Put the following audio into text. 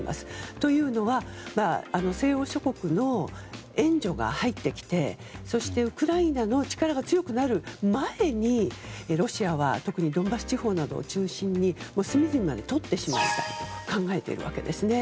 というのは西欧諸国の援助が入ってきてそしてウクライナの力が強くなる前にロシアは特にドンバス地方などを中心に隅々までとってしまいたいと考えているわけですね。